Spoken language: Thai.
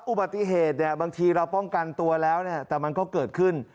อุบัติเหตุเนี่ยบางทีเราป้องกันตัวแล้วแต่มันก็เกิดขึ้น